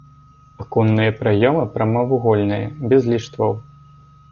Аконныя праёмы прамавугольныя, без ліштваў.